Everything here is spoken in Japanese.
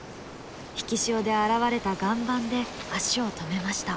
引き潮で現れた岩盤で足を止めました。